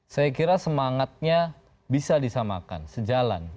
saya kira semangatnya bisa disamakan sejalan